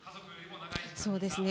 そうですね。